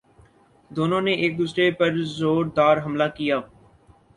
دونوں نے ایک دوسرے پرزوردار حملہ کیا